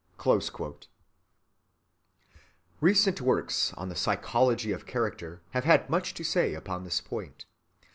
(87) Recent works on the psychology of character have had much to say upon this point.